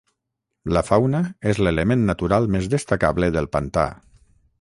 La fauna és l'element natural més destacable del pantà.